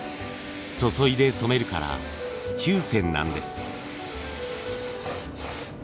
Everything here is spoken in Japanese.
注いで染めるから「注染」なんです。